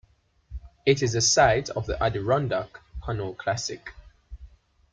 It is the site of the Adirondack Canoe Classic.